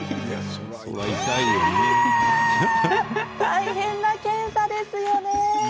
大変な検査ですよね。